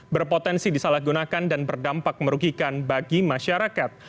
berpotensi disalahgunakan dan berdampak merugikan bagi masyarakat